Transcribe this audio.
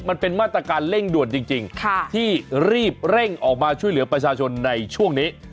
มันเป็นมาตรการเร่งด่วนจริงที่รีบเร่งออกมาช่วยเหลือประชาชนในช่วงนี้